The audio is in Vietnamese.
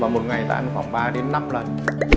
một ngày ta ăn khoảng ba đến năm lần